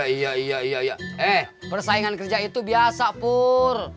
iya iya eh persaingan kerja itu biasa pur